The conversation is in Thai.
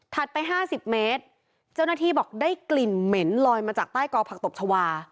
ไป๕๐เมตรเจ้าหน้าที่บอกได้กลิ่นเหม็นลอยมาจากใต้กอผักตบชาวา